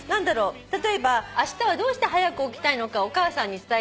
例えばあしたはどうして早く起きたいのかお母さんに伝えて。